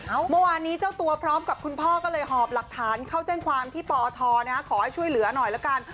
เมื่อวานนี้เจ้าตัวพร้อมกับคุณพ่อก็เลยหอบหลักฐานเข้าแจ้งความที่ปอทนะฮะขอให้ช่วยเหลือหน่อยละกัน